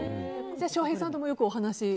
翔平さんとも、よくお話を。